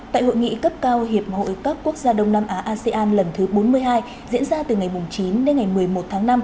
tại hội nghị cấp cao hiệp hội các quốc gia đông nam á asean lần thứ bốn mươi hai diễn ra từ ngày chín đến ngày một mươi một tháng năm